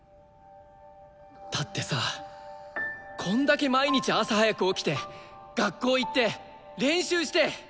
だってさこんだけ毎日朝早く起きて学校行って練習して！